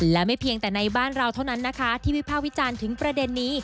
และไม่เพียงแต่ในบ้านเราเท่านั้นนะคะที่วิภาควิจารณ์ถึงประเด็นนี้